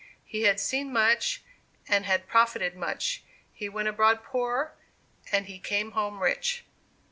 He had seen much, and had profited much. He went abroad poor, and he came home rich.